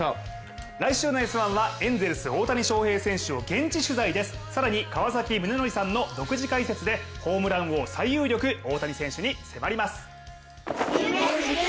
来週の「Ｓ☆１」はエンゼルス・大谷選手を現地取材です、更に川崎宗則さんの独自解説でホームラン王最有力、大谷選手に迫ります。